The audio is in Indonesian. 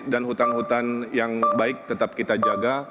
dan hutan hutan yang baik tetap kita jaga